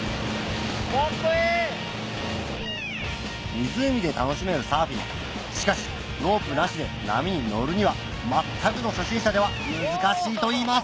湖で楽しめるサーフィンしかしロープなしで波に乗るには全くの初心者では難しいといいます